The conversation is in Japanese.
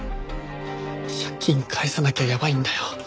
借金返さなきゃやばいんだよ。